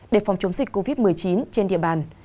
để phòng chống dịch covid một mươi chín trên địa bàn